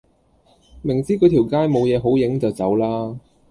明知個條街冇野好影就走啦